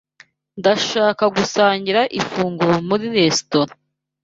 Ndashaka gusangira ifunguro muri resitora.